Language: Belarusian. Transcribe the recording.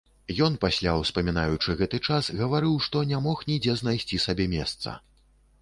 Ён пасля, успамінаючы гэты час, гаварыў, што не мог нідзе знайсці сабе месца.